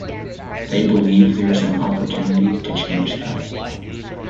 They believe that there is an opportunity to change that.